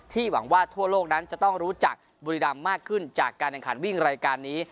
หวังว่าทั่วโลกนั้นจะต้องรู้จักบุรีรำมากขึ้นจากการแข่งขันวิ่งรายการนี้